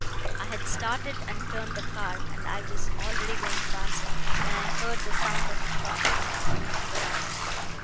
"I had started and turned the car I was already going fast when I heard the sound of a shot in front of me, to the right.